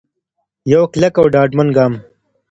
یو کلک او ډاډمن ګام.